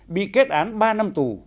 bị kết án ba năm tù